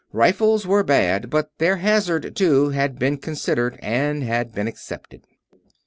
Rifles were bad; but their hazard, too, had been considered and had been accepted.